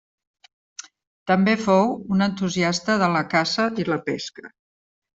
També fou un entusiasta de la caça i la pesca.